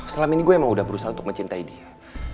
selama ini gue emang udah berusaha untuk mencintai dia